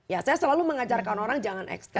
ya saya selalu mengajarkan orang jangan ekstra